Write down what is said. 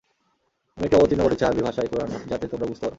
আমি এটি অবতীর্ণ করেছি আরবী ভাষায় কুরআন যাতে তোমরা বুঝতে পার।